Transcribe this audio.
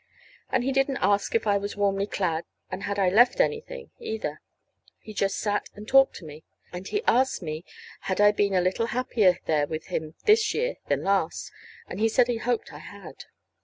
And he didn't ask if I was warmly clad, and had I left anything, either. He just sat and talked to me, and he asked me had I been a little happier there with him this year than last; and he said he hoped I had.